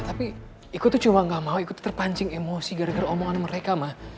tapi iko tuh cuma gak mau terpancing emosi gara gara omongan mereka ma